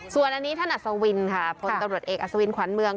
ส่วนอันนี้ท่านอัศวินค่ะพลตำรวจเอกอัศวินขวัญเมือง